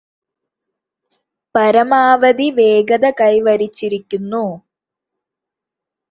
പരമാവധി വേഗത കൈവരിച്ചിരിക്കുന്നു